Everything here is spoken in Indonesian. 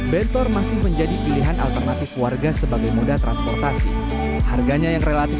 bentor masih menjadi pilihan alternatif warga sebagai moda transportasi harganya yang relatif